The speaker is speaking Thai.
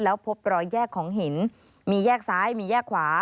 แล้วพบรอยแยกของหินมีแยกซ้ายมีแยกขวา